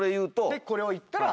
でこれを言ったら。